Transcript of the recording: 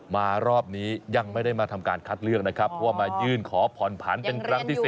มารอบนี้ยังไม่ได้มาทำการคัดเลือกนะครับเพราะว่ามายื่นขอผ่อนผันเป็นครั้งที่๓